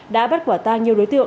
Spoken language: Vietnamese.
đã bắt quả ta nhiều đối tượng